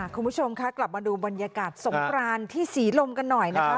คุณผู้ชมคะกลับมาดูบรรยากาศสงกรานที่ศรีลมกันหน่อยนะคะ